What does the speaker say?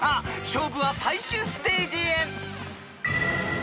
［勝負は最終ステージへ］